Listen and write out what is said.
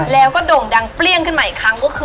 แล้วโด่งดังเปลี่ยงขึ้นไปอีกครั้ง